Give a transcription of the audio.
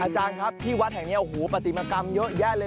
อาจารย์ครับที่วัดแห่งนี้โอ้โหปฏิมากรรมเยอะแยะเลย